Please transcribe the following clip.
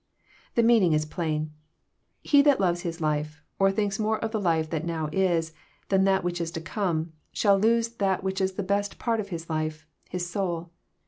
The meaning is plain :<< He that loves his life, or thinks more of the life that now is than that which is to come, shall lose that which is the best part of his life, his soul.